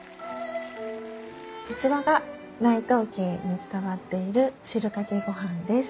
そちらが内藤家に伝わっている汁かけ御飯です。